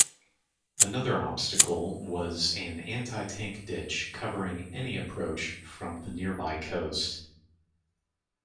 Another obstacle was an anti-tank ditch covering any approach from the nearby coast.